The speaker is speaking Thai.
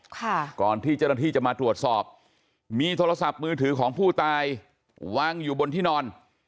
ก่อนที่เจ้าหน้าที่จะมาตรวจสอบมีโทรศัพท์มือถือของผู้ตายวางอยู่บนที่นอน